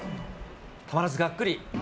たまらず、がっくり。